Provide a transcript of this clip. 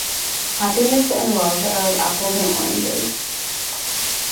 Happiness and wealth are like apples and oranges.